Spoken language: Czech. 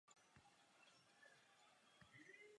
Během meziválečného období zastával různé významné funkce.